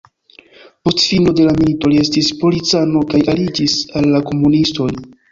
Post fino de la milito li estis policano kaj aliĝis al la komunistoj.